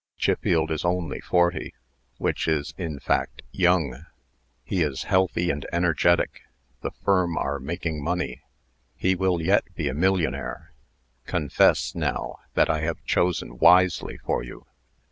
Chiffield is only forty which is, in fact, young. He is healthy and energetic. The firm are making money. He will yet be a millionnaire. Confess, now, that I have chosen wisely for you."